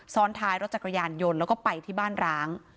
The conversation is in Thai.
ท้ายรถจักรยานยนต์แล้วก็ไปที่บ้านร้าง